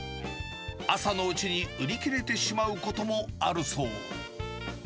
朝のうちに売り切れてしまうこともあるそう。